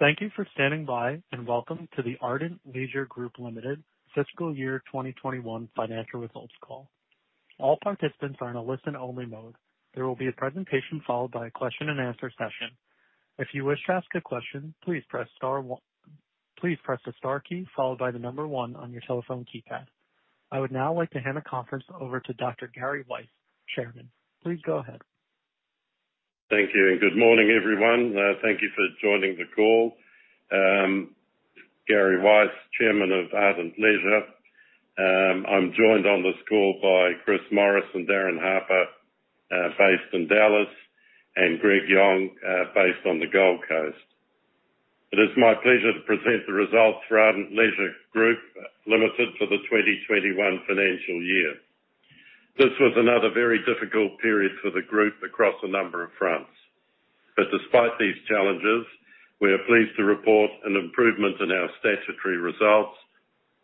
Thank you for standing by, and welcome to the Ardent Leisure Group Limited Fiscal Year 2021 financial results call. All participants are in a listen-only mode. There will be a presentation followed by a question and answer session. If you wish to ask a question, please press the star key followed by the number 1 on your telephone keypad. I would now like to hand the conference over to Dr. Gary Weiss, Chairman. Please go ahead. Thank you, and good morning, everyone. Thank you for joining the call. Gary Weiss, Chairman of Coast Entertainment Holdings. I'm joined on this call by Chris Morris and Darin Harper, based in Dallas, and Greg Yong, based on the Gold Coast. It is my pleasure to present the results for Ardent Leisure Group Limited for the 2021 financial year. This was another very difficult period for the group across a number of fronts. Despite these challenges, we are pleased to report an improvement in our statutory results,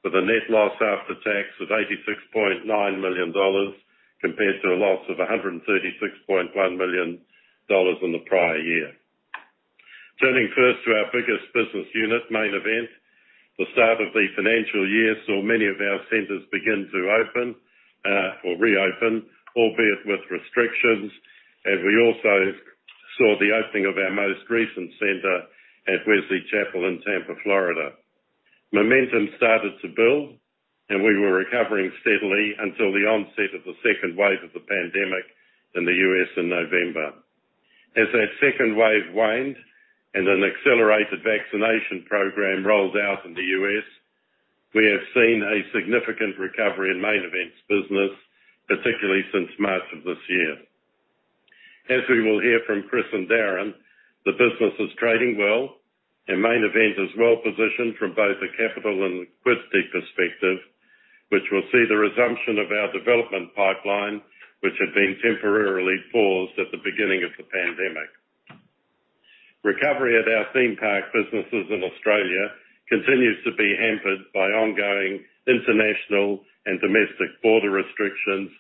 with a net loss after tax of 86.9 million dollars, compared to a loss of 136.1 million dollars in the prior year. Turning first to our biggest business unit, Main Event. The start of the financial year saw many of our centers begin to open, or reopen, albeit with restrictions, and we also saw the opening of our most recent center at Wesley Chapel in Tampa, Florida. Momentum started to build, and we were recovering steadily until the onset of the second wave of the pandemic in the U.S. in November. As that second wave waned and an accelerated vaccination program rolled out in the U.S., we have seen a significant recovery in Main Event's business, particularly since March of this year. As we will hear from Chris and Darin, the business is trading well, and Main Event is well-positioned from both a capital and liquidity perspective, which will see the resumption of our development pipeline, which had been temporarily paused at the beginning of the pandemic. Recovery at our theme park businesses in Australia continues to be hampered by ongoing international and domestic border restrictions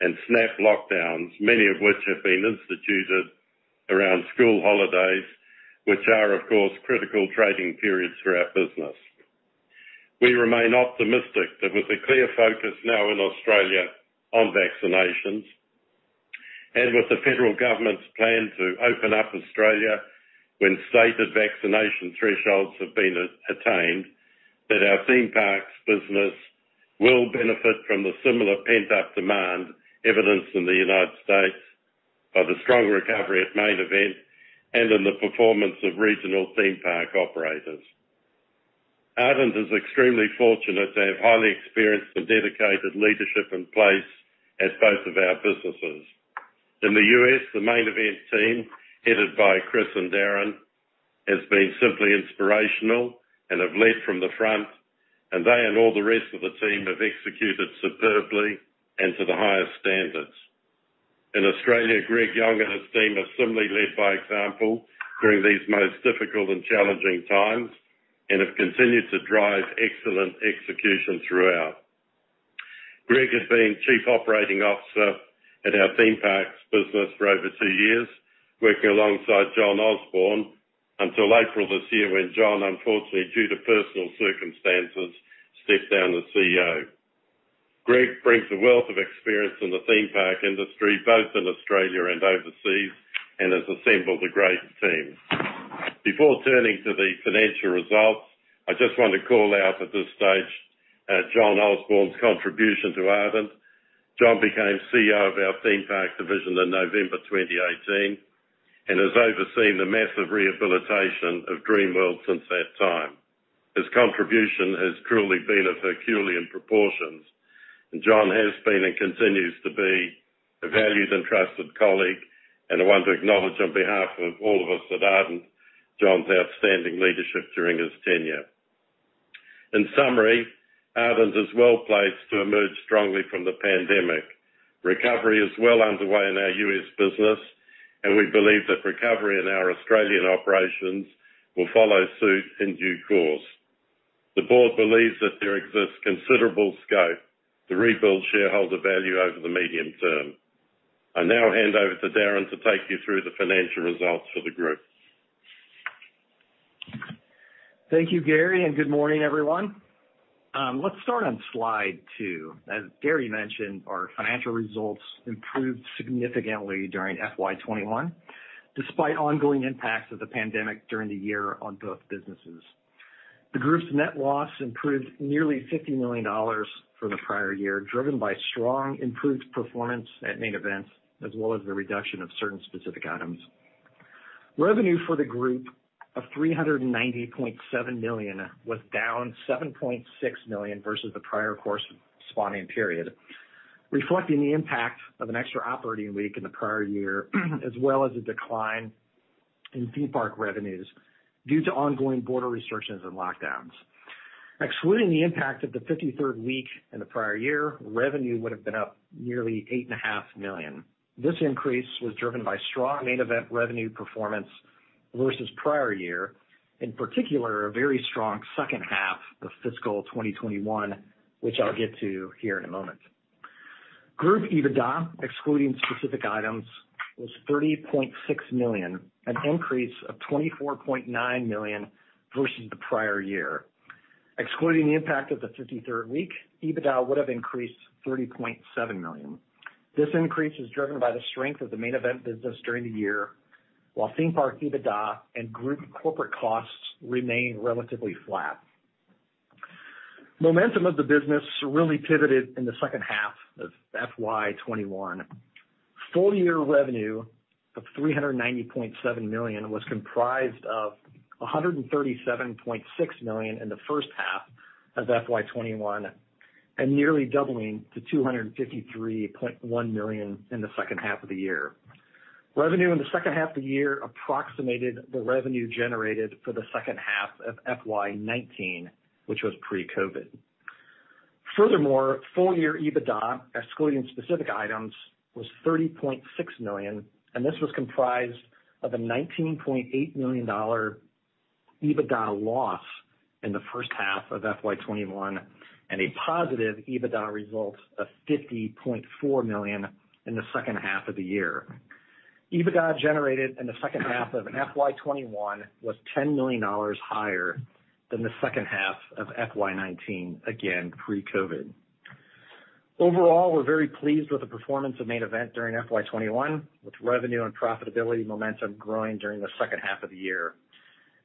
and snap lockdowns, many of which have been instituted around school holidays, which are, of course, critical trading periods for our business. We remain optimistic that with a clear focus now in Australia on vaccinations, and with the federal government's plan to open up Australia when stated vaccination thresholds have been attained, that our theme parks business will benefit from the similar pent-up demand evidenced in the United States by the strong recovery at Main Event and in the performance of regional theme park operators. Ardent is extremely fortunate to have highly experienced and dedicated leadership in place at both of our businesses. In the U.S., the Main Event team, headed by Chris and Darin, has been simply inspirational and have led from the front, and they and all the rest of the team have executed superbly and to the highest standards. In Australia, Greg Yong and his team have similarly led by example during these most difficult and challenging times and have continued to drive excellent execution throughout. Greg has been Chief Operating Officer at our theme parks business for over two years, working alongside John Osborne until April this year, when John, unfortunately, due to personal circumstances, stepped down as CEO. Greg brings a wealth of experience in the theme park industry, both in Australia and overseas, and has assembled a great team. Before turning to the financial results, I just want to call out at this stage John Osborne's contribution to Ardent. John became CEO of our theme park division in November 2018 and has overseen the massive rehabilitation of Dreamworld since that time. His contribution has truly been of Herculean proportions, and John has been, and continues to be, a valued and trusted colleague and I want to acknowledge on behalf of all of us at Ardent, John's outstanding leadership during his tenure. In summary, Ardent is well-placed to emerge strongly from the pandemic. Recovery is well underway in our U.S. business, and we believe that recovery in our Australian operations will follow suit in due course. The board believes that there exists considerable scope to rebuild shareholder value over the medium term. I now hand over to Darin to take you through the financial results for the group. Thank you, Gary. Good morning, everyone. Let's start on slide two. As Gary mentioned, our financial results improved significantly during FY 2021, despite ongoing impacts of the pandemic during the year on both businesses. The group's net loss improved nearly 50 million dollars from the prior year, driven by strong improved performance at Main Event, as well as the reduction of certain specific items. Revenue for the group of 390.7 million was down 7.6 million versus the prior corresponding period, reflecting the impact of an extra operating week in the prior year, as well as a decline in theme park revenues due to ongoing border restrictions and lockdowns. Excluding the impact of the 53rd week in the prior year, revenue would have been up nearly 8.5 million. This increase was driven by strong Main Event revenue performance versus prior year, in particular, a very strong second half of fiscal 2021, which I'll get to here in a moment. Group EBITDA, excluding specific items, was 30.6 million, an increase of 24.9 million versus the prior year. Excluding the impact of the 53rd week, EBITDA would have increased 30.7 million. This increase is driven by the strength of the Main Event business during the year, while Theme Park EBITDA and group corporate costs remain relatively flat. Momentum of the business really pivoted in the second half of FY 2021. Full-year revenue of 390.7 million was comprised of 137.6 million in the first half of FY 2021, and nearly doubling to 253.1 million in the second half of the year. Revenue in the second half of the year approximated the revenue generated for the second half of FY 2019, which was pre-COVID-19. Furthermore, full year EBITDA, excluding specific items, was 30.6 million, and this was comprised of an 19.8 million dollar EBITDA loss in the first half of FY 2021 and a positive EBITDA result of 50.4 million in the second half of the year. EBITDA generated in the second half of FY 2021 was 10 million dollars higher than the second half of FY 2019, again, pre-COVID-19. Overall, we are very pleased with the performance of Main Event during FY 2021, with revenue and profitability momentum growing during the second half of the year.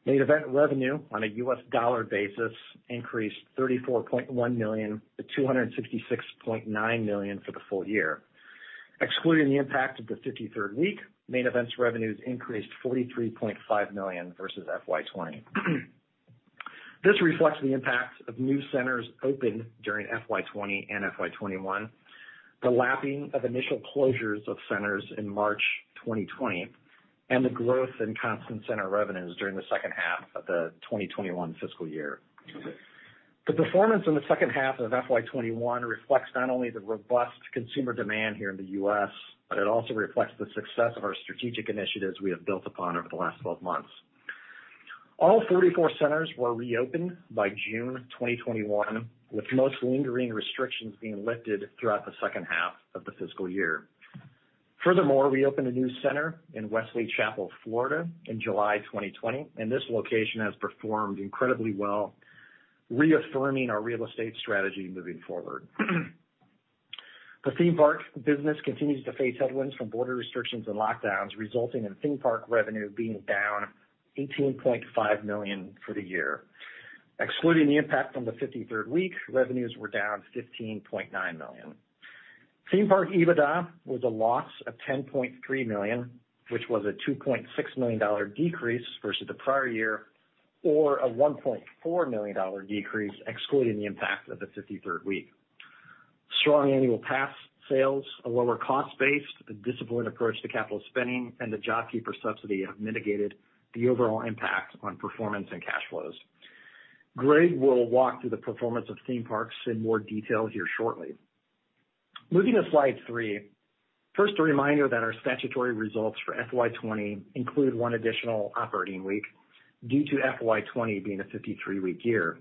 Main Event revenue on a US dollar basis increased $34.1 million to $266.9 million for the full year. Excluding the impact of the 53rd week, Main Event's revenues increased $43.5 million versus FY 2020. This reflects the impact of new centers opened during FY 2020 and FY 2021, the lapping of initial closures of centers in March 2020, and the growth in constant center revenues during the second half of the 2021 fiscal year. The performance in the second half of FY 2021 reflects not only the robust consumer demand here in the U.S., but it also reflects the success of our strategic initiatives we have built upon over the last 12 months. All 44 centers were reopened by June 2021, with most lingering restrictions being lifted throughout the second half of the fiscal year. Furthermore, we opened a new center in Wesley Chapel, Florida in July 2020, and this location has performed incredibly well, reaffirming our real estate strategy moving forward. The theme park business continues to face headwinds from border restrictions and lockdowns, resulting in theme park revenue being down 18.5 million for the year. Excluding the impact from the 53rd week, revenues were down 15.9 million. Theme park EBITDA was a loss of 10.3 million, which was an 2.6 million dollar decrease versus the prior year, or an 1.4 million dollar decrease excluding the impact of the 53rd week. Strong annual pass sales, a lower cost base, a disciplined approach to capital spending, and the JobKeeper subsidy have mitigated the overall impact on performance and cash flows. Greg will walk through the performance of theme parks in more detail here shortly. Moving to slide three. First, a reminder that our statutory results for FY20 include one additional operating week due to FY20 being a 53-week year.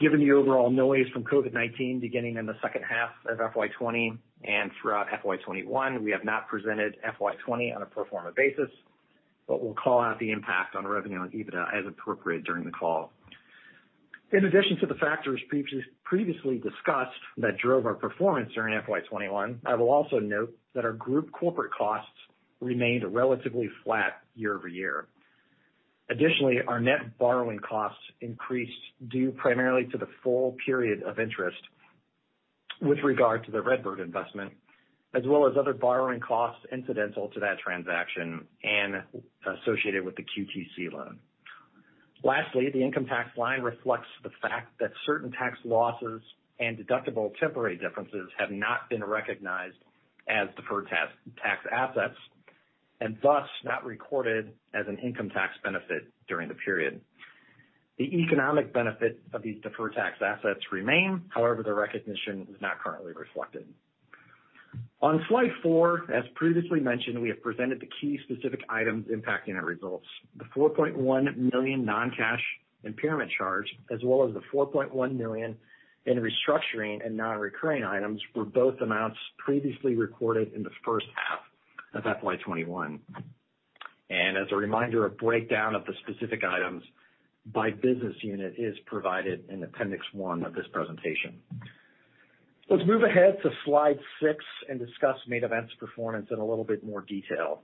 Given the overall noise from COVID-19 beginning in the second half of FY 2020 and throughout FY 2021, we have not presented FY 2020 on a pro forma basis, but we'll call out the impact on revenue and EBITDA as appropriate during the call. In addition to the factors previously discussed that drove our performance during FY 2021, I will also note that our group corporate costs remained relatively flat year-over-year. Additionally, our net borrowing costs increased due primarily to the full period of interest with regard to the RedBird investment, as well as other borrowing costs incidental to that transaction and associated with the QTC loan. Lastly, the income tax line reflects the fact that certain tax losses and deductible temporary differences have not been recognized as deferred tax assets, and thus not recorded as an income tax benefit during the period. The economic benefit of these deferred tax assets remain. However, their recognition is not currently reflected. On slide four, as previously mentioned, we have presented the key specific items impacting our results. The 4.1 million non-cash impairment charge, as well as the 4.1 million in restructuring and non-recurring items, were both amounts previously recorded in the first half of FY 2021. As a reminder, a breakdown of the specific items by business unit is provided in appendix one of this presentation. Let's move ahead to slide six and discuss Main Event's performance in a little bit more detail.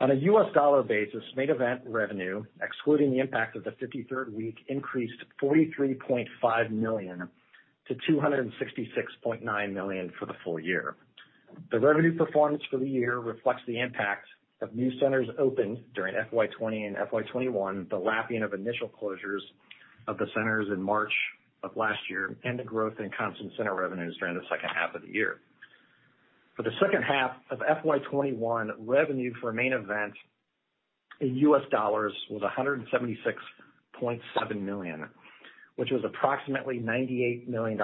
On a US dollar basis, Main Event revenue, excluding the impact of the 53rd week, increased $43.5 million to $266.9 million for the full year. The revenue performance for the year reflects the impact of new centers opened during FY 2020 and FY 2021, the lapping of initial closures of the centers in March of last year, and the growth in constant center revenues during the second half of the year. For the second half of FY 2021, revenue for Main Event in US dollars was $176.7 million, which was approximately $98 million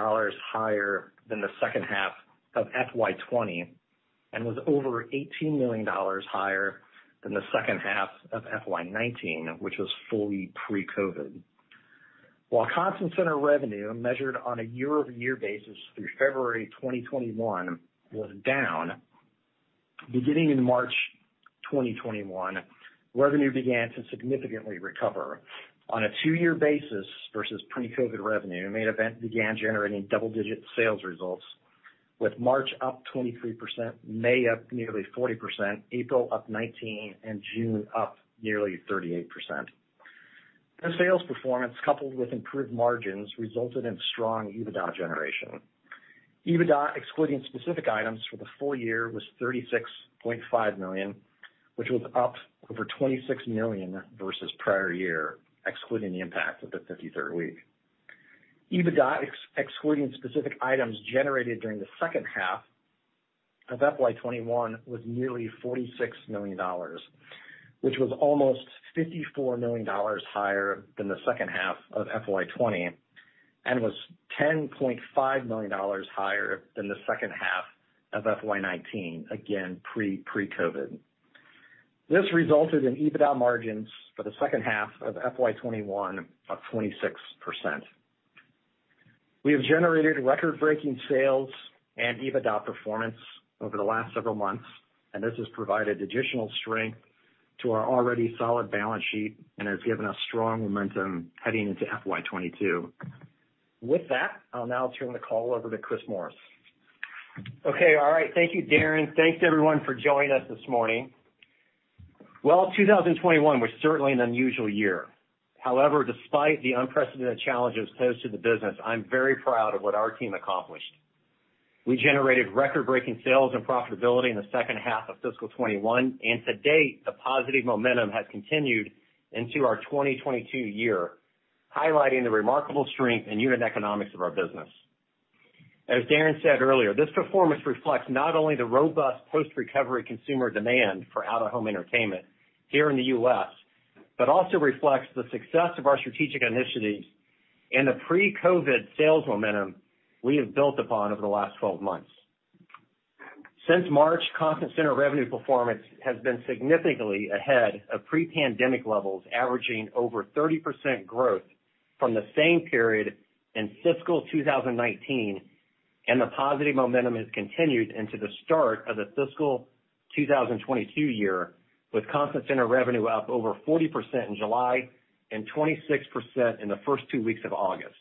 higher than the second half of FY 2020, and was over $18 million higher than the second half of FY 2019, which was fully pre-COVID. While constant center revenue measured on a year-over-year basis through February 2021 was down, beginning in March 2021, revenue began to significantly recover. On a two-year basis versus pre-COVID revenue, Main Event began generating double-digit sales results, with March up 23%, May up nearly 40%, April up 19%, and June up nearly 38%. This sales performance, coupled with improved margins, resulted in strong EBITDA generation. EBITDA, excluding specific items for the full year, was 36.5 million, which was up over 26 million versus the prior year, excluding the impact of the 53rd week. EBITDA, excluding specific items generated during the second half of FY 2021, was nearly 46 million dollars, which was almost 54 million dollars higher than the second half of FY 2020 and was 10.5 million dollars higher than the second half of FY 2019, again pre-COVID. This resulted in EBITDA margins for the second half of FY 2021 of 26%. We have generated record-breaking sales and EBITDA performance over the last several months, and this has provided additional strength to our already solid balance sheet and has given us strong momentum heading into FY 2022. With that, I'll now turn the call over to Chris Morris. Okay. All right. Thank you, Darin. Thanks everyone for joining us this morning. Well, 2021 was certainly an unusual year. However, despite the unprecedented challenges posed to the business, I'm very proud of what our team accomplished. We generated record-breaking sales and profitability in the second half of FY21. To date, the positive momentum has continued into our 2022, highlighting the remarkable strength and unit economics of our business. As Darin said earlier, this performance reflects not only the robust post-recovery consumer demand for out-of-home entertainment here in the U.S., but also reflects the success of our strategic initiatives and the pre-COVID sales momentum we have built upon over the last 12 months. Since March, constant center revenue performance has been significantly ahead of pre-pandemic levels, averaging over 30% growth from the same period in fiscal 2019, and the positive momentum has continued into the start of the fiscal 2022 year, with constant center revenue up over 40% in July and 26% in the first two weeks of August.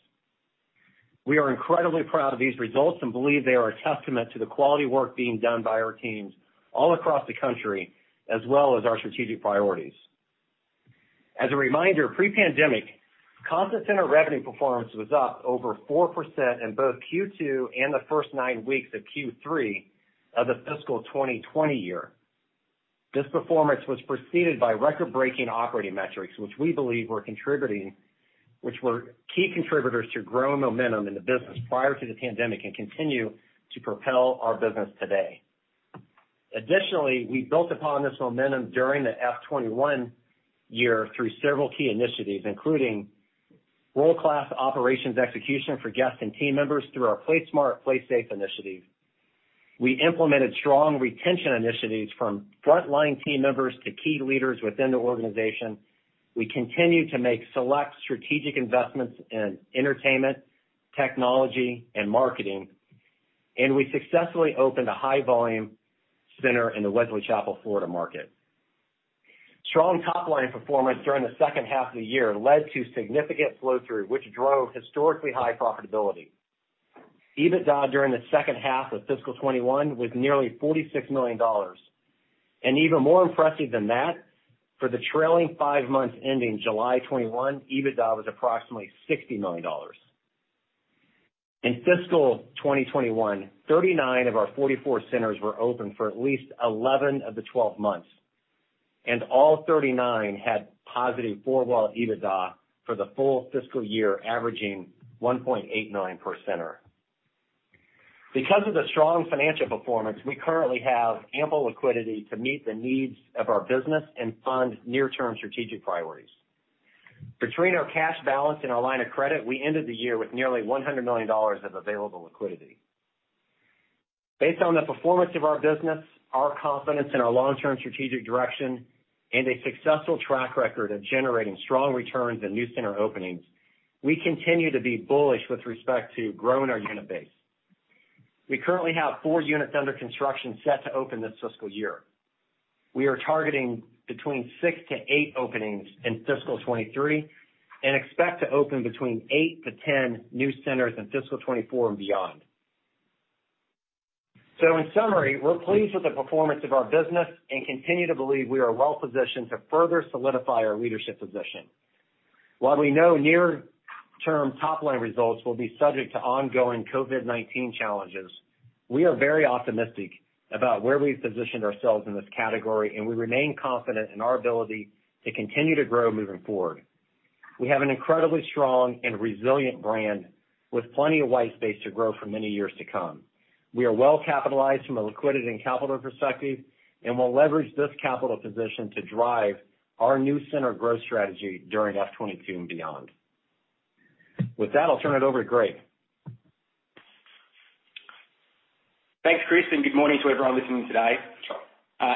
We are incredibly proud of these results and believe they are a testament to the quality work being done by our teams all across the country, as well as our strategic priorities. As a reminder, pre-pandemic, constant center revenue performance was up over 4% in both Q2 and the first nine weeks of Q3 of the fiscal 2020 year. This performance was preceded by record-breaking operating metrics, which we believe were key contributors to growing momentum in the business prior to the pandemic and continue to propel our business today. Additionally, we built upon this momentum during the FY21 year through several key initiatives, including world-class operations execution for guests and team members through our Play Smart, Play Safe initiative. We implemented strong retention initiatives from frontline team members to key leaders within the organization. We continue to make select strategic investments in entertainment, technology, and marketing, and we successfully opened a high-volume center in the Wesley Chapel, Florida, market. Strong top-line performance during the second half of the year led to significant flow-through, which drove historically high profitability. EBITDA during the second half of fiscal 2021 was nearly 46 million dollars. Even more impressive than that, for the trailing five months ending July 2021, EBITDA was approximately AUD 60 million. In FY 2021, 39 of our 44 centers were open for at least 11 of the 12 months, and all 39 had positive four-wall EBITDA for the full fiscal year, averaging 1.89 per center. Because of the strong financial performance, we currently have ample liquidity to meet the needs of our business and fund near-term strategic priorities. Between our cash balance and our line of credit, we ended the year with nearly 100 million dollars of available liquidity. Based on the performance of our business, our confidence in our long-term strategic direction, and a successful track record of generating strong returns and new center openings, we continue to be bullish with respect to growing our unit base. We currently have four units under construction set to open this fiscal year. We are targeting between six to eight openings in FY 2023. We expect to open between 8 to 10 new centers in FY 2024 and beyond. In summary, we're pleased with the performance of our business and continue to believe we are well-positioned to further solidify our leadership position. While we know near-term top-line results will be subject to ongoing COVID-19 challenges, we are very optimistic about where we've positioned ourselves in this category. We remain confident in our ability to continue to grow moving forward. We have an incredibly strong and resilient brand with plenty of white space to grow for many years to come. We are well-capitalized from a liquidity and capital perspective. We'll leverage this capital position to drive our new center growth strategy during FY 2022 and beyond. With that, I'll turn it over to Greg. Chris, good morning to everyone listening today.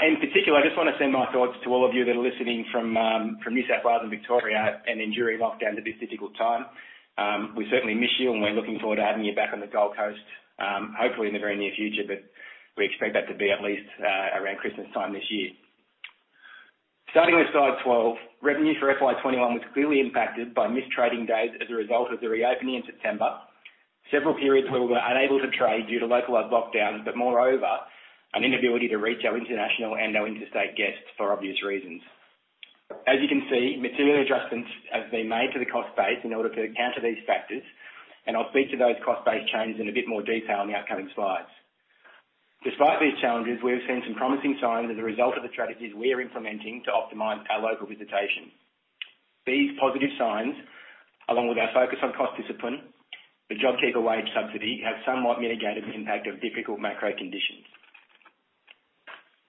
In particular, I just want to send my thoughts to all of you that are listening from New South Wales and Victoria, and enduring lockdown at this difficult time. We certainly miss you, and we're looking forward to having you back on the Gold Coast, hopefully in the very near future, but we expect that to be at least around Christmas time this year. Starting with slide 12, revenue for FY 2021 was clearly impacted by missed trading days as a result of the reopening in September. Several periods where we were unable to trade due to localized lockdowns, but moreover, an inability to reach our international and our interstate guests for obvious reasons. As you can see, material adjustments have been made to the cost base in order to counter these factors, and I'll speak to those cost base changes in a bit more detail in the upcoming slides. Despite these challenges, we've seen some promising signs as a result of the strategies we're implementing to optimize our local visitation. These positive signs, along with our focus on cost discipline, the JobKeeper wage subsidy, have somewhat mitigated the impact of difficult macro conditions.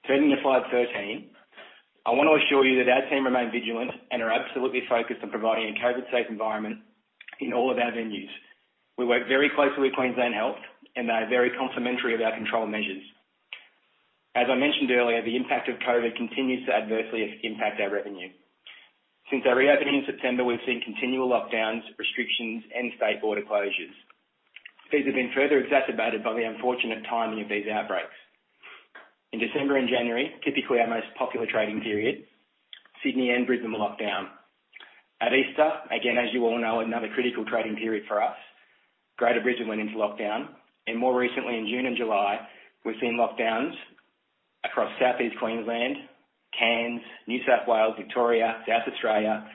Turning to slide 13, I want to assure you that our team remain vigilant and are absolutely focused on providing a COVID-safe environment in all of our venues. We work very closely with Queensland Health, and they are very complimentary of our control measures. As I mentioned earlier, the impact of COVID continues to adversely impact our revenue. Since our reopening in September, we've seen continual lockdowns, restrictions, and state border closures. These have been further exacerbated by the unfortunate timing of these outbreaks. In December and January, typically our most popular trading period, Sydney and Brisbane locked down. At Easter, again, as you all know, another critical trading period for us, Greater Brisbane went into lockdown. More recently, in June and July, we've seen lockdowns across Southeast Queensland, Cairns, New South Wales, Victoria, South Australia,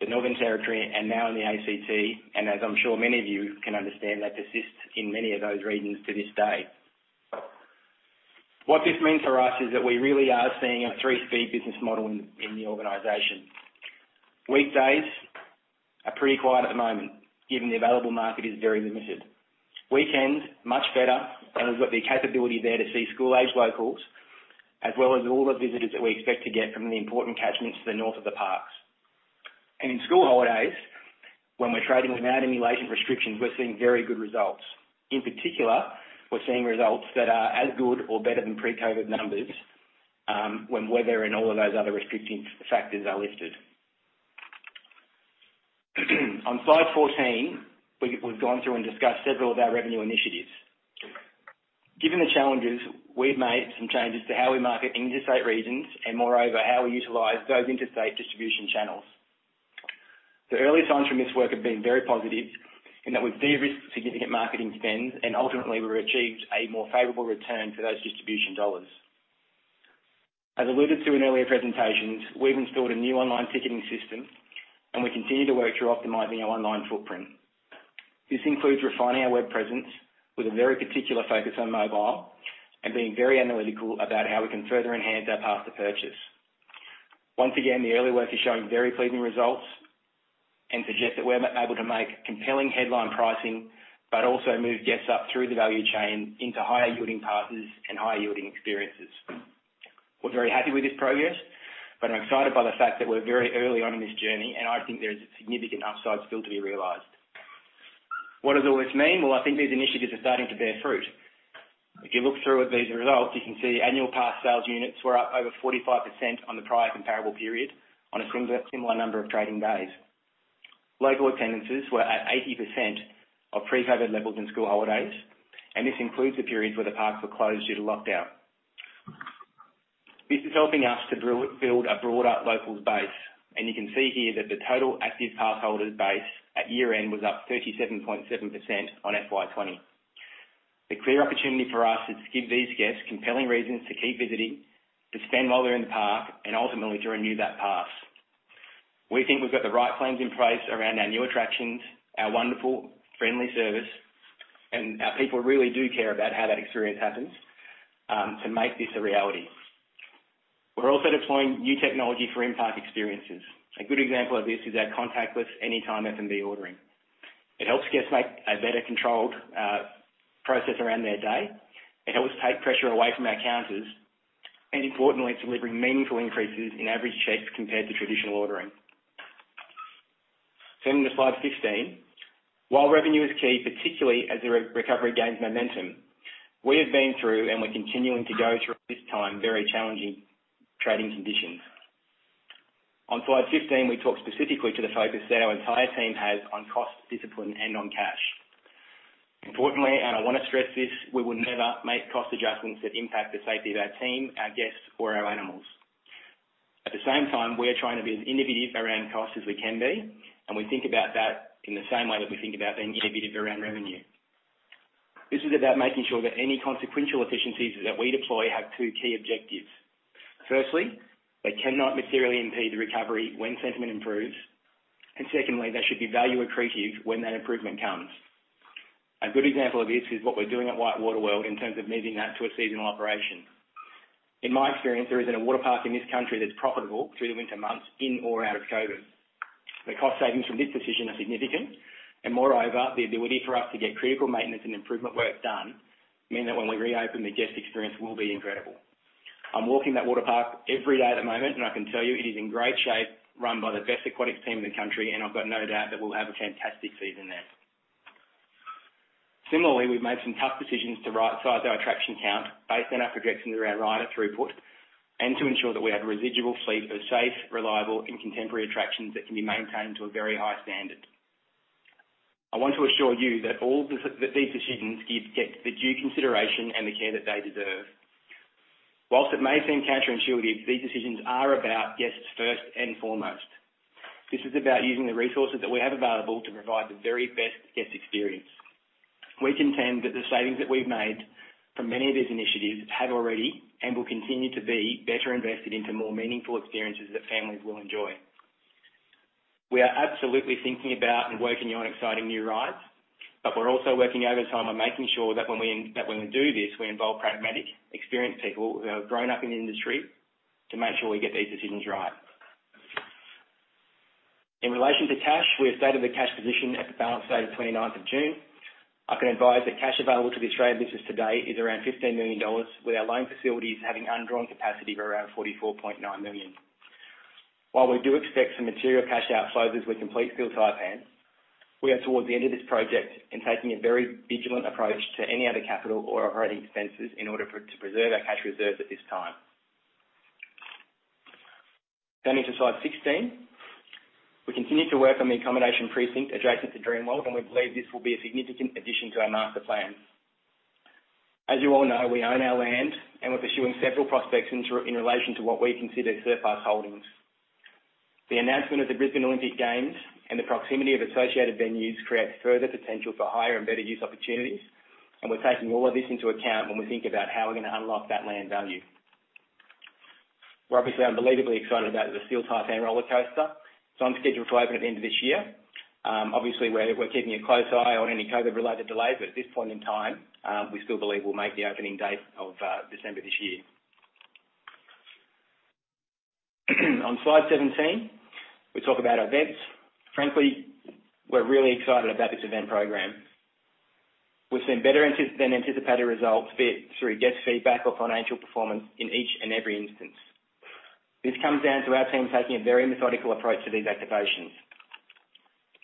the Northern Territory, and now in the A.C.T. As I'm sure many of you can understand, that persists in many of those regions to this day. What this means for us is that we really are seeing a three-speed business model in the organization. Weekdays are pretty quiet at the moment, given the available market is very limited. Weekends, much better, as we've got the capability there to see school-aged locals, as well as all the visitors that we expect to get from the important catchments to the north of the parks. In school holidays, when we're trading without any latent restrictions, we're seeing very good results. In particular, we're seeing results that are as good or better than pre-COVID numbers, when weather and all of those other restricting factors are lifted. On slide 14, we've gone through and discussed several of our revenue initiatives. Given the challenges, we've made some changes to how we market in interstate regions, and moreover, how we utilize those interstate distribution channels. The early signs from this work have been very positive, in that we've de-risked significant marketing spends, and ultimately, we've achieved a more favorable return for those distribution dollars. As alluded to in earlier presentations, we've installed a new online ticketing system, and we continue to work through optimizing our online footprint. This includes refining our web presence with a very particular focus on mobile, and being very analytical about how we can further enhance our path to purchase. Once again, the early work is showing very pleasing results and suggest that we're able to make compelling headline pricing, but also move guests up through the value chain into higher-yielding passes and higher-yielding experiences. We're very happy with this progress, but I'm excited by the fact that we're very early on in this journey, and I think there is a significant upside still to be realized. What does all this mean? Well, I think these initiatives are starting to bear fruit. If you look through at these results, you can see annual pass sales units were up over 45% on the prior comparable period on a similar number of trading days. Local attendances were at 80% of pre-COVID-19 levels in school holidays, and this includes the periods where the parks were closed due to lockdown. This is helping us to build a broader locals base, and you can see here that the total active pass holders base at year-end was up 37.7% on FY20. The clear opportunity for us is to give these guests compelling reasons to keep visiting, to spend while they're in the park, and ultimately, to renew that pass. We think we've got the right plans in place around our new attractions, our wonderful friendly service, and our people really do care about how that experience happens, to make this a reality. We're also deploying new technology for in-park experiences. A good example of this is our contactless anytime F&B ordering. It helps guests make a better controlled process around their day. It helps take pressure away from our counters, and importantly, it's delivering meaningful increases in average checks compared to traditional ordering. Turning to slide 15. While revenue is key, particularly as the recovery gains momentum, we have been through, and we're continuing to go through, at this time, very challenging trading conditions. On slide 15, we talk specifically to the focus that our entire team has on cost discipline and on cash. Importantly, and I want to stress this, we will never make cost adjustments that impact the safety of our team, our guests, or our animals. At the same time, we're trying to be as innovative around cost as we can be, and we think about that in the same way that we think about being innovative around revenue. This is about making sure that any consequential efficiencies that we deploy have two key objectives. Firstly, they cannot materially impede the recovery when sentiment improves. Secondly, they should be value accretive when that improvement comes. A good example of this is what we're doing at WhiteWater World in terms of moving that to a seasonal operation. In my experience, there isn't a water park in this country that's profitable through the winter months, in or out of COVID. The cost savings from this decision are significant. Moreover, the ability for us to get critical maintenance and improvement work done mean that when we reopen, the guest experience will be incredible. I'm walking that water park every day at the moment, and I can tell you it is in great shape, run by the best aquatics team in the country, and I've got no doubt that we'll have a fantastic season there. Similarly, we've made some tough decisions to right-size our attraction count based on our projections around rider throughput, and to ensure that we have a residual fleet that is safe, reliable, and contemporary attractions that can be maintained to a very high standard. I want to assure you that all these decisions get the due consideration and the care that they deserve. Whilst it may seem counterintuitive, these decisions are about guests first and foremost. This is about using the resources that we have available to provide the very best guest experience. We contend that the savings that we've made from many of these initiatives have already, and will continue to be, better invested into more meaningful experiences that families will enjoy. We are absolutely thinking about and working on exciting new rides, but we're also working overtime on making sure that when we do this, we involve pragmatic, experienced people who have grown up in the industry to make sure we get these decisions right. In relation to cash, we have stated the cash position at the balance date of the 29th of June. I can advise that cash available to the Australian business today is around 15 million dollars, with our loan facilities having undrawn capacity of around 44.9 million. While we do expect some material cash outflows as we complete Steel Taipan, we are towards the end of this project and taking a very vigilant approach to any other capital or operating expenses in order to preserve our cash reserves at this time. Turning to Slide 16. We continue to work on the accommodation precinct adjacent to Dreamworld, and we believe this will be a significant addition to our master plan. As you all know, we own our land, and we're pursuing several prospects in relation to what we consider surplus holdings. The announcement of the Brisbane Olympic Games and the proximity of associated venues creates further potential for higher and better use opportunities, and we're taking all of this into account when we think about how we're going to unlock that land value. We're obviously unbelievably excited about the Steel Taipan roller coaster. It's on schedule to open at the end of this year. Obviously, we're keeping a close eye on any COVID-19-related delays, but at this point in time, we still believe we'll make the opening date of December this year. On slide 17, we talk about events. Frankly, we're really excited about this event program. We've seen better than anticipated results be it through guest feedback or financial performance in each and every instance. This comes down to our team taking a very methodical approach to these activations.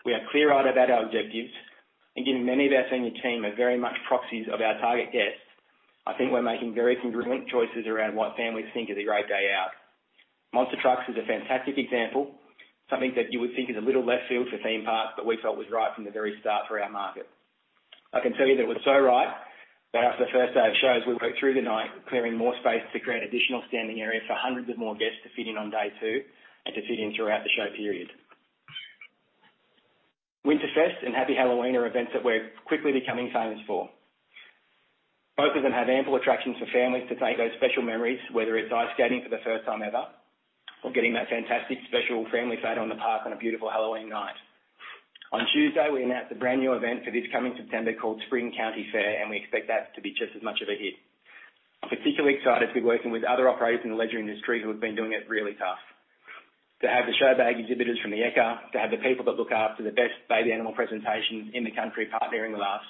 We are clear-eyed about our objectives, and given many of our senior team are very much proxies of our target guests, I think we're making very congruent choices around what families think is a great day out. Monster Trucks is a fantastic example. Something that you would think is a little left field for theme parks, but we felt was right from the very start for our market. I can tell you that it was so right that after the first day of shows, we worked through the night clearing more space to create additional standing areas for hundreds of more guests to fit in on day two and to fit in throughout the show period. Winterfest and Happy Halloween are events that we're quickly becoming famous for. Both of them have ample attractions for families to take those special memories, whether it's ice skating for the first time ever or getting that fantastic special family photo in the park on a beautiful Halloween night. On Tuesday, we announced a brand-new event for this coming September called Spring County Fair. We expect that to be just as much of a hit. I'm particularly excited to be working with other operators in the leisure industry who have been doing it really tough. To have the show bag exhibitors from the Ekka, to have the people that look after the best baby animal presentation in the country partnering with us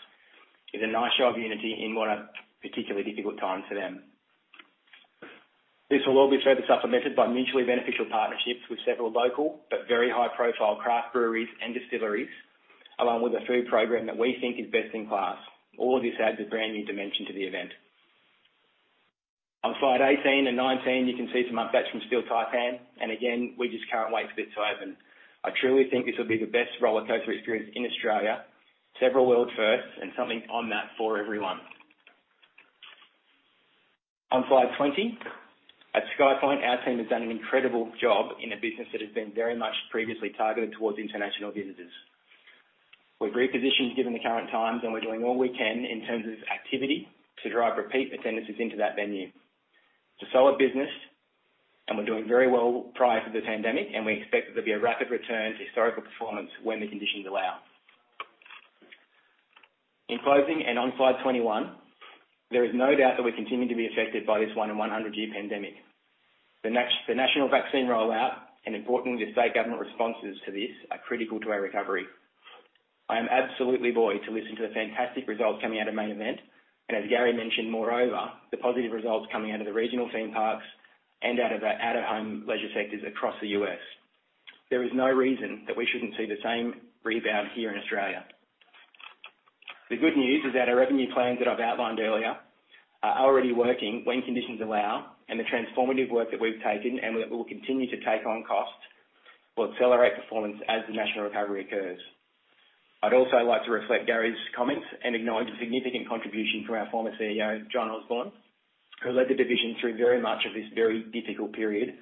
is a nice show of unity in what are particularly difficult times for them. This will all be further supplemented by mutually beneficial partnerships with several local but very high-profile craft breweries and distilleries, along with a food program that we think is best in class. All of this adds a brand new dimension to the event. On slide 18 and 19, you can see some updates from Steel Taipan. Again, we just can't wait for this to open. I truly think this will be the best roller coaster experience in Australia. Several world firsts and something on that for everyone. On slide 20. At SkyPoint, our team has done an incredible job in a business that has been very much previously targeted towards international visitors. We've repositioned given the current times, and we're doing all we can in terms of activity to drive repeat attendances into that venue. It's a solid business, and we're doing very well prior to the pandemic, and we expect that there'll be a rapid return to historical performance when the conditions allow. In closing and on slide 21, there is no doubt that we continue to be affected by this one in 100-year pandemic. The national vaccine rollout and importantly, the state government responses to this are critical to our recovery. I am absolutely buoyed to listen to the fantastic results coming out of Main Event. As Gary mentioned, moreover, the positive results coming out of the regional theme parks and out of our out-of-home leisure sectors across the U.S. There is no reason that we shouldn't see the same rebound here in Australia. The good news is that our revenue plans that I've outlined earlier are already working when conditions allow. The transformative work that we've taken and that we'll continue to take on cost will accelerate performance as the national recovery occurs. I'd also like to reflect Gary's comments and acknowledge the significant contribution from our former CEO, John Osborne, who led the division through very much of this very difficult period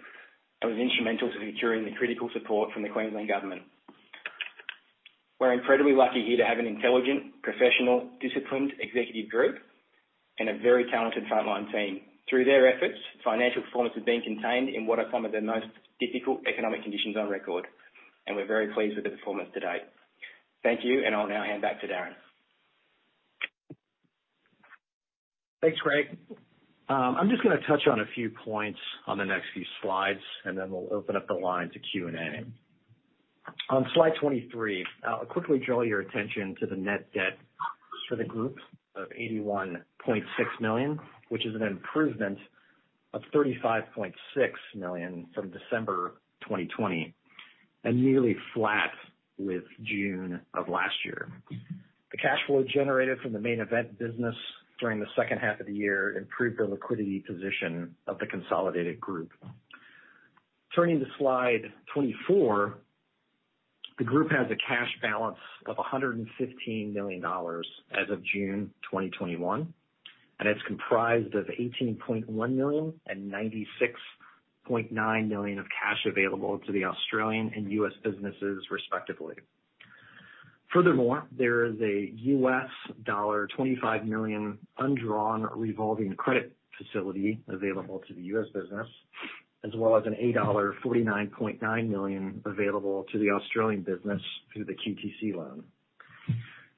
and was instrumental to securing the critical support from the Queensland Government. We're incredibly lucky here to have an intelligent, professional, disciplined executive group and a very talented frontline team. Through their efforts, financial performance has been contained in what are some of the most difficult economic conditions on record, and we're very pleased with the performance to date. Thank you, and I'll now hand back to Darin. Thanks, Greg. I'm just going to touch on a few points on the next few slides, and then we'll open up the line to Q&A. On slide 23, I'll quickly draw your attention to the net debt for the groups of 81.6 million, which is an improvement of 35.6 million from December 2020 and nearly flat with June of last year. The cash flow generated from the Main Event business during the second half of the year improved the liquidity position of the consolidated Group. Turning to slide 24, the Group has a cash balance of 115 million dollars as of June 2021, and it's comprised of 18.1 million and 96.9 million of cash available to the Australian and U.S. businesses respectively. Furthermore, there is a US dollar $25 million undrawn revolving credit facility available to the U.S. business, as well as an 49.9 million available to the Australian business through the QTC loan.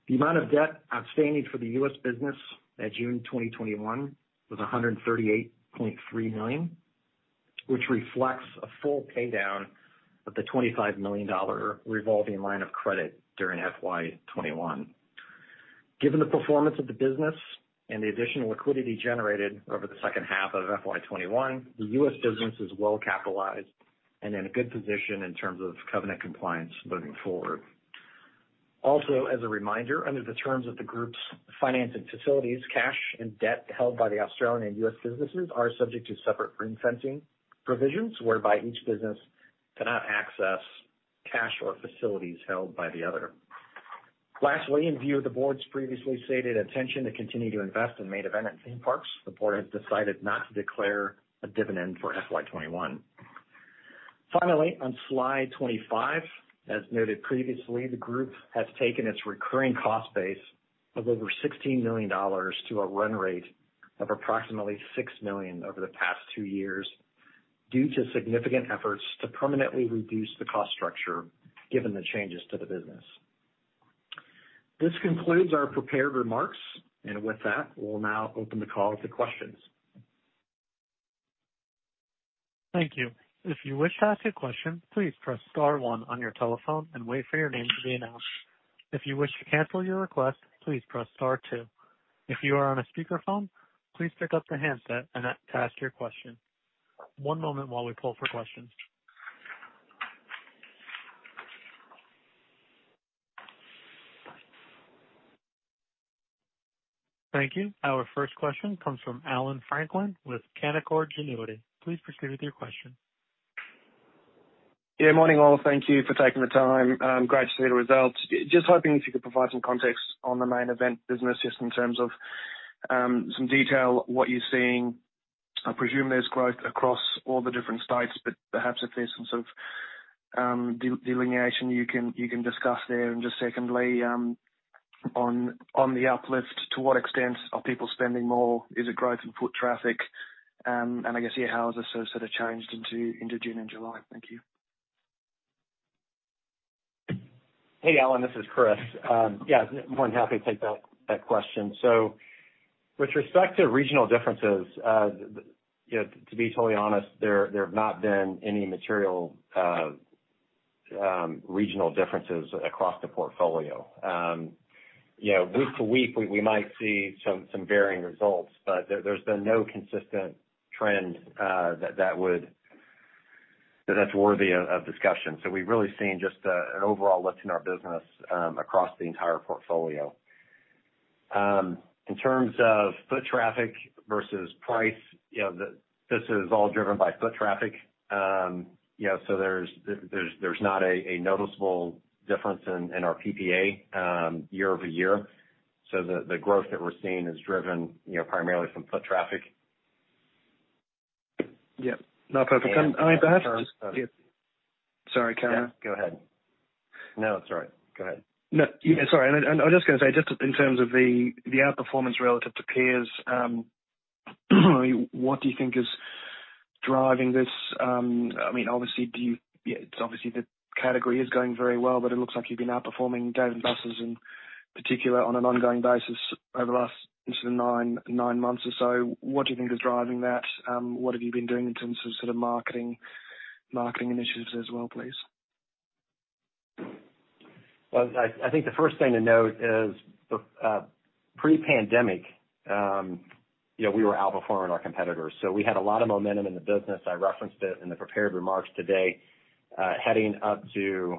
The amount of debt outstanding for the U.S. business at June 2021 was $138.3 million, which reflects a full paydown of the $25 million revolving line of credit during FY 2021. Given the performance of the business and the additional liquidity generated over the second half of FY 2021, the U.S. business is well capitalized and in a good position in terms of covenant compliance moving forward. Also, as a reminder, under the terms of the group's financing facilities, cash and debt held by the Australian and U.S. businesses are subject to separate ring fencing provisions whereby each business cannot access cash or facilities held by the other. Lastly, in view of the board's previously stated intention to continue to invest in Main Event and theme parks, the board has decided not to declare a dividend for FY 2021. On slide 25, as noted previously, the group has taken its recurring cost base of over 16 million dollars to a run rate of approximately 6 million over the past 2 years due to significant efforts to permanently reduce the cost structure given the changes to the business. This concludes our prepared remarks, and with that, we'll now open the call to questions. Thank you. Thank you. Our first question comes from Allan Franklin with Canaccord Genuity. Please proceed with your question. Morning all. Thank you for taking the time. Great to see the results. Just hoping if you could provide some context on the Main Event business, just in terms of some detail, what you're seeing. I presume there's growth across all the different states, but perhaps if there's some sort of delineation you can discuss there. Just secondly, on the uplift, to what extent are people spending more? Is it growth in foot traffic? I guess, how has this sort of changed into June and July? Thank you. Hey, Allan, this is Chris. More than happy to take that question. With respect to regional differences, to be totally honest, there have not been any material regional differences across the portfolio. Week to week, we might see some varying results, but there's been no consistent trend that's worthy of discussion. We've really seen just an overall lift in our business across the entire portfolio. In terms of foot traffic versus price, this is all driven by foot traffic. There's not a noticeable difference in our PPA year-over-year. The growth that we're seeing is driven primarily from foot traffic. Yeah. No, perfect. And in terms of- Sorry, carry on. Yeah, go ahead. No, it's all right. Go ahead. No, yeah, sorry. I was just gonna say, just in terms of the outperformance relative to peers, what do you think is driving this? Obviously, the category is going very well, but it looks like you've been outperforming Dave & Buster's in particular on an ongoing basis over the last 9 months or so. What do you think is driving that? What have you been doing in terms of sort of marketing initiatives as well, please? I think the first thing to note is pre-pandemic we were outperforming our competitors, so we had a lot of momentum in the business. I referenced it in the prepared remarks today. Heading up to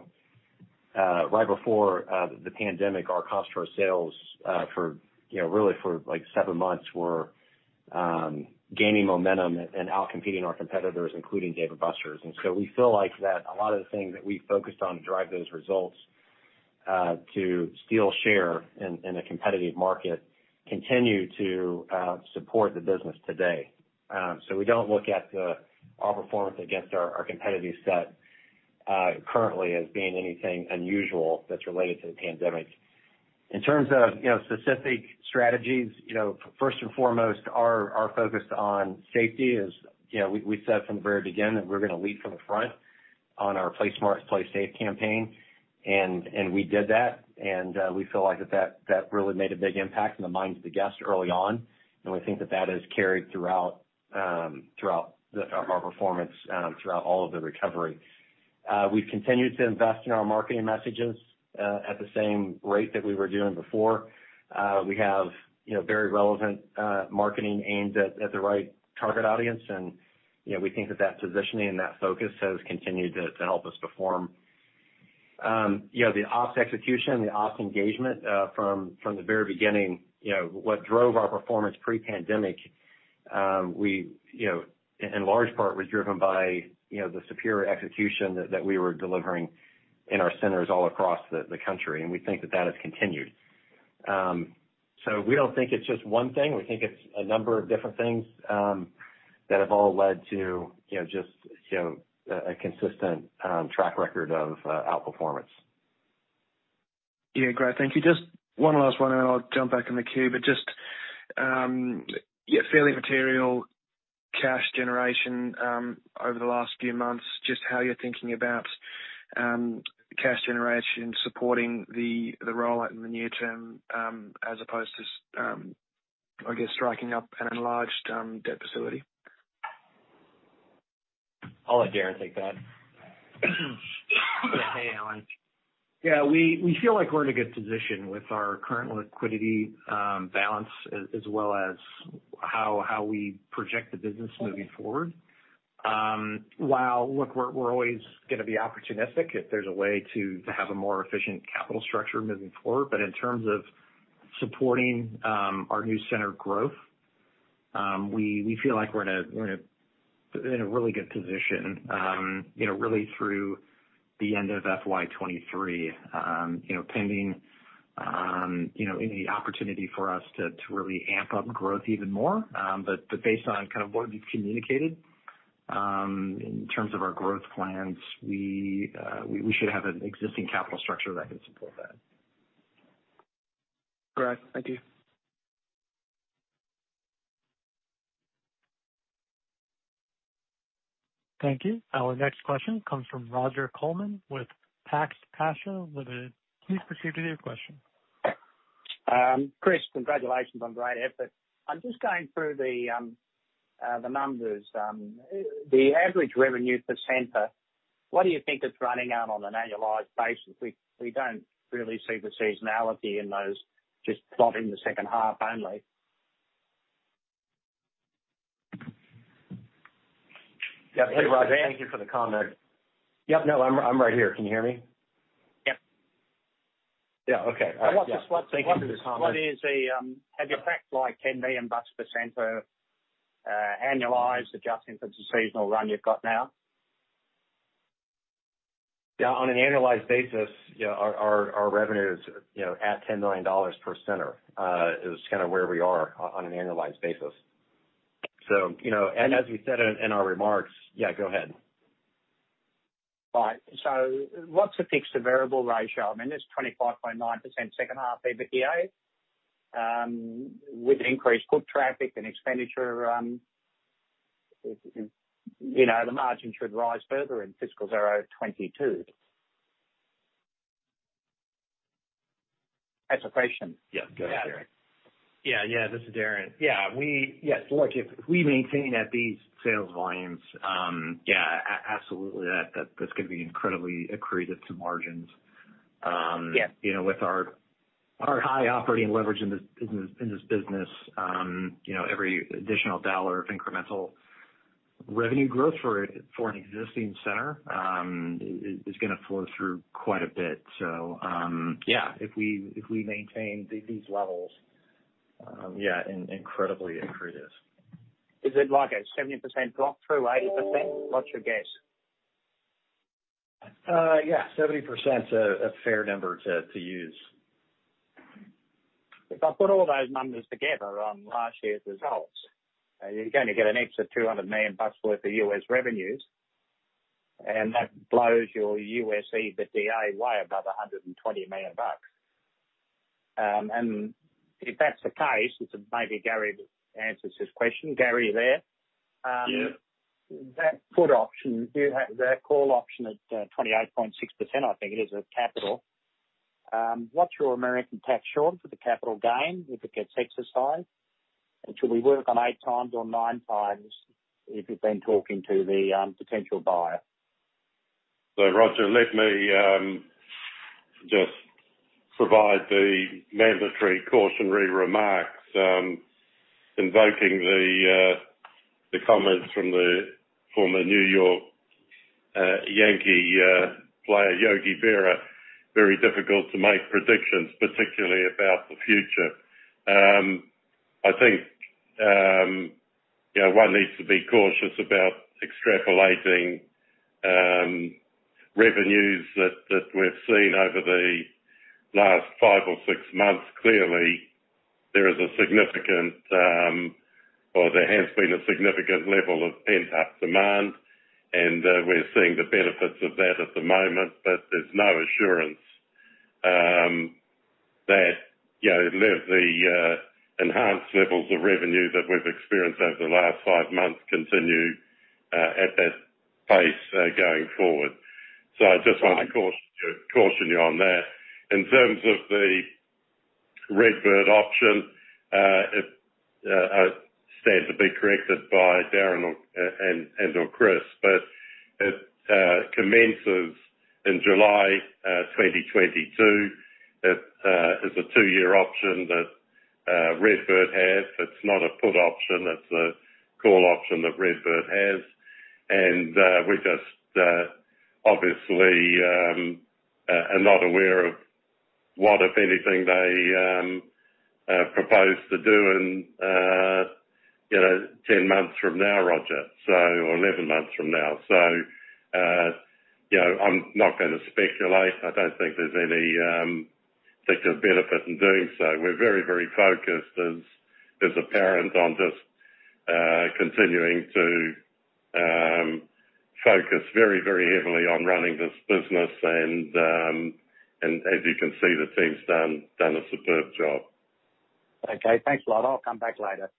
right before the pandemic, our cost to our sales really for seven months were gaining momentum and outcompeting our competitors, including Dave & Buster's. We feel like that a lot of the things that we focused on to drive those results to steal share in a competitive market continue to support the business today. We don't look at our performance against our competitive set currently as being anything unusual that's related to the pandemic. In terms of specific strategies, first and foremost, our focus on safety is we said from the very beginning that we're gonna lead from the front on our Play Smart, Play Safe campaign. We did that, and we feel like that really made a big impact in the minds of the guests early on, and we think that that has carried throughout. Throughout our performance and throughout all of the recovery. We've continued to invest in our marketing messages at the same rate that we were doing before. We have very relevant marketing aimed at the right target audience. We think that that positioning and that focus has continued to help us perform. The ops execution, the ops engagement from the very beginning, what drove our performance pre-pandemic, in large part, was driven by the superior execution that we were delivering in our centers all across the country. We think that has continued. We don't think it's just one thing. We think it's a number of different things that have all led to just a consistent track record of outperformance. Yeah, great. Thank you. Just one last one, and then I'll jump back in the queue. Just, fairly material cash generation over the last few months. Just how you're thinking about cash generation supporting the rollout in the near term as opposed to striking up an enlarged debt facility. I'll let Darin take that. Hey, Allan. Yeah, we feel like we're in a good position with our current liquidity balance as well as how we project the business moving forward. Look, we're always going to be opportunistic if there's a way to have a more efficient capital structure moving forward. In terms of supporting our new center growth, we feel like we're in a really good position really through the end of FY23 pending any opportunity for us to really amp up growth even more. Based on kind of what we've communicated in terms of our growth plans, we should have an existing capital structure that can support that. Great. Thank you. Thank you. Our next question comes from Roger Coleman with Pax Casia Limited. Please proceed with your question. Chris, congratulations on great effort. I'm just going through the numbers. The average revenue per center, what do you think it's running at on an annualized basis? We don't really see the seasonality in those just plotting the second half only. Yeah. Thank you for the comment. Yep. No, I'm right here. Can you hear me? Yep. Yeah. Okay. All right. Yeah. Thank you for the comment. Have you cracked, like, 10 million bucks per center annualized, adjusting for the seasonal run you've got now? Yeah, on an annualized basis, our revenue is at 10 million dollars per center. It is kind of where we are on an annualized basis. As we said in our remarks. Yeah, go ahead. Right. What's the fixed to variable ratio? I mean, there's 25.9% second half EBITDA. With increased foot traffic and expenditure, the margin should rise further in fiscal 2022. That's a question. Yeah. Go ahead, Darin. Yeah. This is Darin. Yes. Look, if we maintain at these sales volumes, yeah, absolutely that's going to be incredibly accretive to margins. Yeah. With our high operating leverage in this business, every additional dollar of incremental revenue growth for an existing center is going to flow through quite a bit. Yeah, if we maintain these levels, yeah, incredibly accretive. Is it like a 70% drop through 80%? What's your guess? Yeah, 70% is a fair number to use. If I put all those numbers together on last year's results, you're going to get an extra $200 million worth of U.S. revenues, and that blows your U.S. EBITDA way above $120 million. If that's the case, maybe Gary answers this question. Gary, there. Yeah. That put option, that call option at 28.6%, I think it is of capital. What's your American tax charge for the capital gain if it gets exercised? Should we work on 8 times or 9 times if you've been talking to the potential buyer? Roger, let me just provide the mandatory cautionary remarks invoking the comments from the former New York Yankees player, Yogi Berra, "Very difficult to make predictions, particularly about the future." I think one needs to be cautious about extrapolating revenues that we've seen over the last five or six months. Clearly, there has been a significant level of pent-up demand, and we're seeing the benefits of that at the moment. There's no assurance that the enhanced levels of revenue that we've experienced over the last five months continue at that pace going forward. I just want to caution you on that. In terms of the RedBird option. I stand to be corrected by Darin and/or Chris, but it commences in July 2022. It is a two year option that RedBird has. It's not a put option, it's a call option that RedBird has. We just obviously are not aware of what, if anything, they propose to do in 10 months from now, Roger, or 11 months from now. I'm not going to speculate. I don't think there's any particular benefit in doing so. We're very focused, as apparent, on just continuing to focus very heavily on running this business and, as you can see, the team's done a superb job. Okay. Thanks a lot. I'll come back later.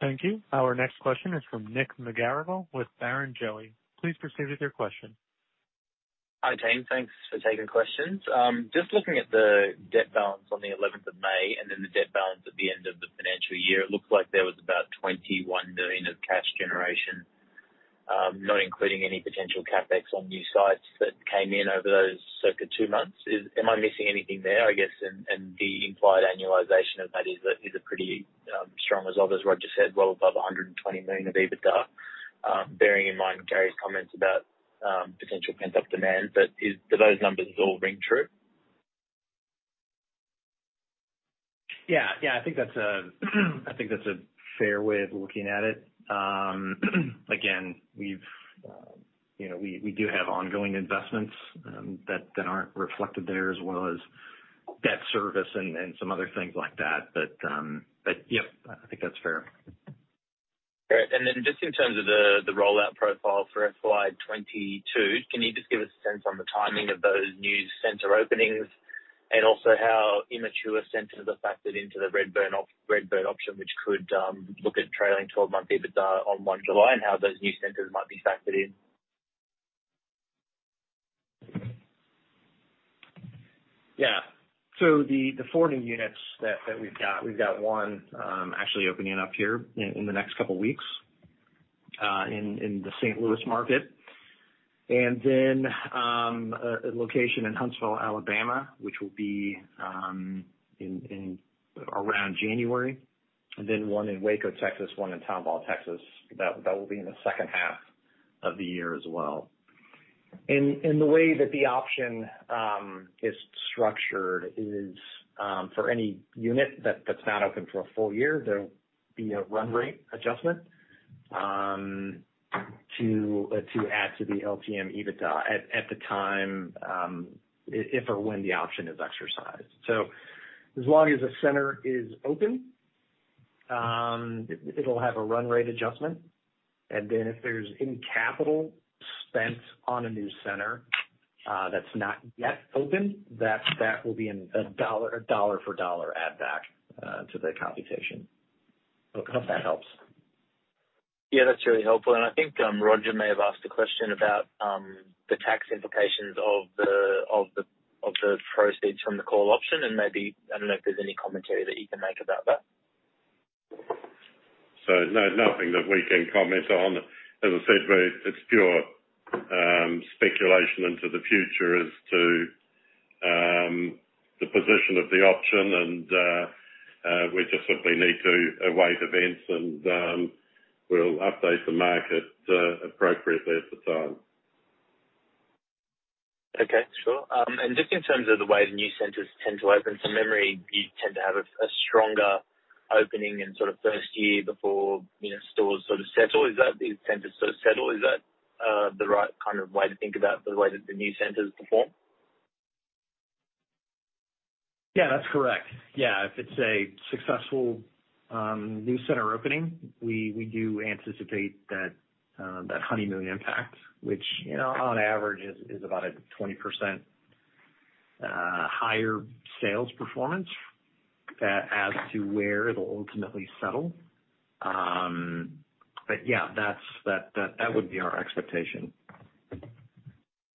Thank you. Our next question is from Nick McGarrigle with Barrenjoey. Please proceed with your question. Hi, team. Thanks for taking questions. Just looking at the debt balance on the 11th of May and then the debt balance at the end of the financial year, it looks like there was about 21 million of cash generation, not including any potential CapEx on new sites that came in over those circa two months. Am I missing anything there, I guess? The implied annualization of that is a pretty strong result, as Roger said, well above 120 million of EBITDA. Bearing in mind Gary's comments about potential pent-up demand, but do those numbers all ring true? Yeah. I think that's a fair way of looking at it. Again, we do have ongoing investments that aren't reflected there, as well as debt service and some other things like that. Yep, I think that's fair. Great. Just in terms of the rollout profile for FY 2022, can you just give us a sense on the timing of those new center openings and also how immature centers are factored into the RedBird option, which could look at trailing 12-month EBITDA on 1 July, and how those new centers might be factored in? Yeah. The four new units that we've got, we've got one actually opening up here in the next couple of weeks in the St. Louis market. A location in Huntsville, Alabama, which will be around January. One in Waco, Texas, one in Tomball, Texas, that will be in the second half of the year as well. The way that the option is structured is for any unit that's not open for a full year, there will be a run rate adjustment to add to the LTM EBITDA at the time if or when the option is exercised. As long as the center is open, it'll have a run rate adjustment. If there's any capital spent on a new center that's not yet open, that will be a dollar for dollar add back to the computation. I hope that helps. Yeah, that's really helpful. I think Roger may have asked a question about the tax implications of the proceeds from the call option, and maybe I don't know if there's any commentary that you can make about that. No, nothing that we can comment on. As I said, it's pure speculation into the future as to the position of the option and we just simply need to await events and we'll update the market appropriately at the time. Okay, sure. Just in terms of the way the new centers tend to open, from memory, you tend to have a stronger opening in sort of first year before stores sort of settle. These centers sort of settle. Is that the right kind of way to think about the way that the new centers perform? Yeah, that's correct. If it's a successful new center opening, we do anticipate that honeymoon impact, which on average is about a 20% higher sales performance as to where it'll ultimately settle. That would be our expectation.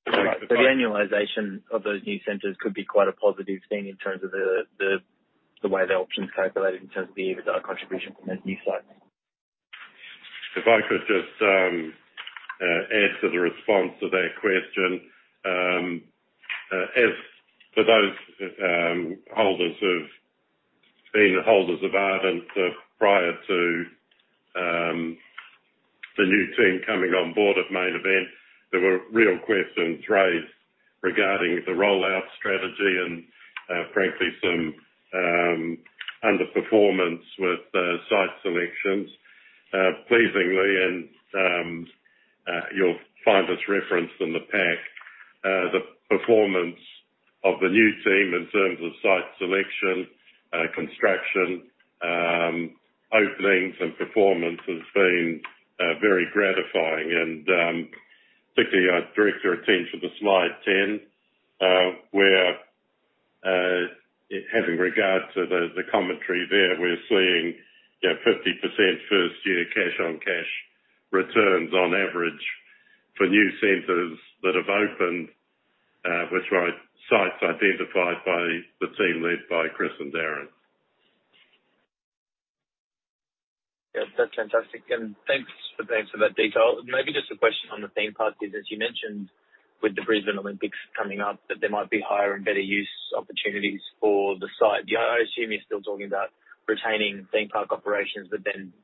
The annualization of those new centers could be quite a positive thing in terms of the way the option's calculated in terms of the EBITDA contribution from those new sites. If I could just add to the response to that question. For those holders who've been holders of Ardent Leisure prior to the new team coming on board at Main Event, there were real questions raised regarding the rollout strategy and frankly, some underperformance with the site selections. Pleasingly, you'll find this referenced in the pack, the performance of the new team in terms of site selection, construction, openings, and performance has been very gratifying. Particularly I'd direct your attention to the slide 10, where having regard to the commentary there, we're seeing 50% first year cash on cash returns on average for new centers that have opened with sites identified by the team led by Chris and Darin. Yeah. That's fantastic. Thanks for that detail. Maybe just a question on the theme park business. You mentioned with the Brisbane Olympics coming up that there might be higher and better use opportunities for the site. I assume you're still talking about retaining theme park operations.